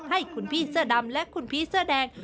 ให้คุณพี่เสื้อดำและคุณพี่เสื้อแดง